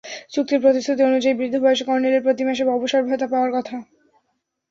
চুক্তির প্রতিশ্রুতি অনুযায়ী বৃদ্ধ বয়সে কর্নেলের প্রতি মাসে অবসরভাতা পাওয়ার কথা।